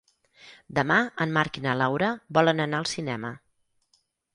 Demà en Marc i na Laura volen anar al cinema.